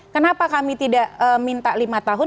kenapa kami tidak minta lima tahun